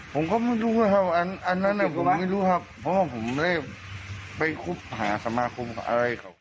ผมก็ไม่รู้นะครับอันนั้นผมไม่รู้ครับเพราะว่าผมไม่ได้ไปคบหาสมาคมกับอะไรเขา